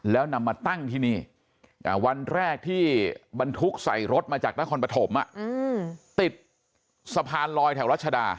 แล้วนำมาตั้งที่นี่วันแรกที่บรรทุกใส่รถมาจากนครปฐมติดสะพานลอยแถวรัชดา